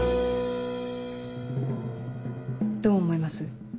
どう思います？